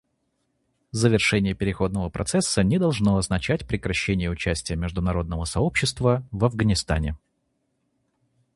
Завершение переходного процесса не должно означать прекращения участия международного сообщества в Афганистане.